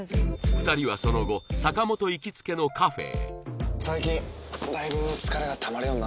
２人はその後坂本行きつけのカフェへ